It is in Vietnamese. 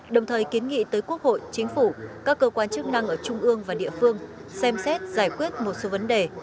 đồng thời kiến nghị tới quốc hội chính phủ các cơ quan chức năng ở trung ương và địa phương xem xét giải quyết một số vấn đề